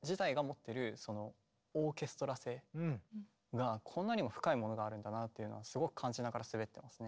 がこんなにも深いものがあるんだなというのをすごく感じながら滑ってますね